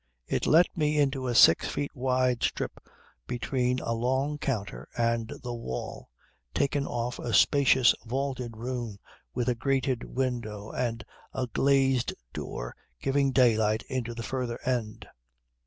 It let me into a six feet wide strip between a long counter and the wall, taken off a spacious, vaulted room with a grated window and a glazed door giving daylight to the further end.